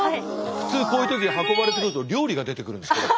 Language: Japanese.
普通こういう時運ばれてくると料理が出てくるんですけど。